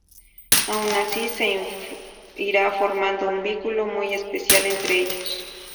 Aun así se irá formando un vínculo muy especial entre ellos.